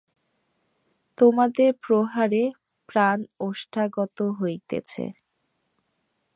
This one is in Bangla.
তোমাদের প্রহারে প্রাণ ওষ্ঠাগত হইতেছে।